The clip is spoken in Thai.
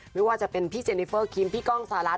ไม่ว่าจะเป็นพี่เจนิเฟอร์คิมพี่ก้องสหรัฐ